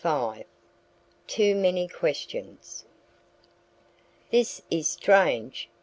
IV TOO MANY QUESTIONS "THIS is strange!"